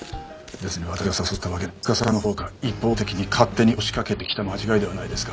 別に私が誘ったわけではないですし「平塚さんのほうから一方的に勝手に押しかけてきた」の間違いではないですか？